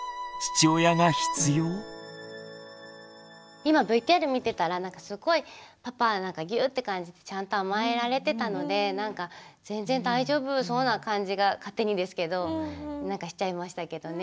今ＶＴＲ見てたらなんかすごいパパギュッて感じでちゃんと甘えられてたのでなんか全然大丈夫そうな感じが勝手にですけどなんかしちゃいましたけどね。